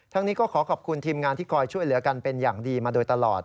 นี้ก็ขอขอบคุณทีมงานที่คอยช่วยเหลือกันเป็นอย่างดีมาโดยตลอด